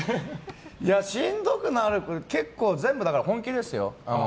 しんどくなる時やっぱり本気ですよ。